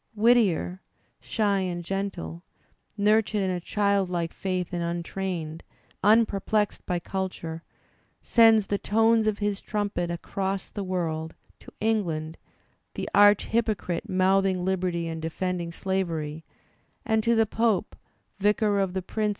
Whittier, shy and gentle, nurtured in a childlike faith and untrained, unperplexed by culture, sends the tones of his trumpet across Digitized by Google WHITTIER 117 the world, to England, the arch hypocrite mouthing liberty ' and defending slavery, and to the Pope, vicar of the prince